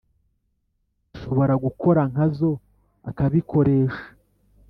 Bishobora gukora nkazo akabikoresha